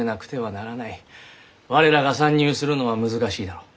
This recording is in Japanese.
我らが参入するのは難しいだろう。